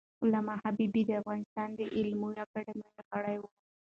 علامه حبیبي د افغانستان د علومو اکاډمۍ غړی و.